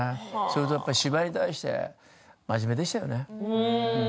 それとやっぱり、芝居に対して真面目でしたね。